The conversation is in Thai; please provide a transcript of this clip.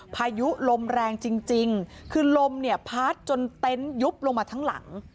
พายุลมแรงจริงคือลมเนี่ยพัดจนเต็นต์ยุบลงมาทั้งหลัง